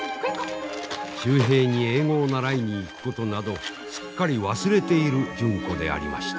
秀平に英語を習いに行くことなどすっかり忘れている純子でありました。